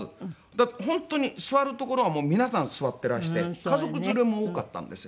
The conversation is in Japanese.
だって本当に座る所がもう皆さん座ってらして家族連れも多かったんですよ。